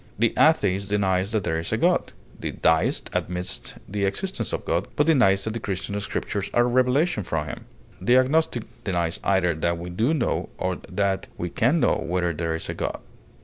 The atheist denies that there is a God; the deist admits the existence of God, but denies that the Christian Scriptures are a revelation from him; the agnostic denies either that we do know or that we can know whether there is a God.